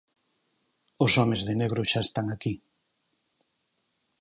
Os homes de negro xa están aquí.